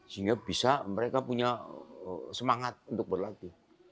sehingga bisa mereka punya semangat untuk berlatih